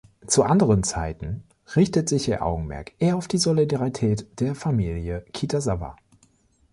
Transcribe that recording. Zu anderen Zeiten richtet sich ihr Augenmerk eher auf die Solidarität der Familie Kitazawa.